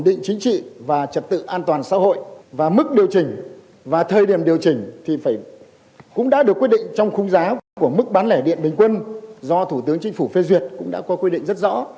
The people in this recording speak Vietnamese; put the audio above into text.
do thủ tướng chính phủ phê duyệt cũng đã có quy định rất rõ